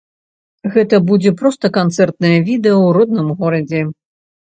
Гэта будзе проста канцэртнае відэа ў родным горадзе.